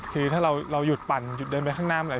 คือถ้าเราหยุดปั่นหยุดเดินไปข้างหน้าเมื่อไหร่